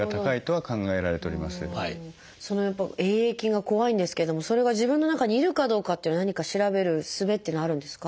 Ａ．ａ．菌が怖いんですけれどもそれが自分の中にいるかどうかっていうのを何か調べる術っていうのはあるんですか？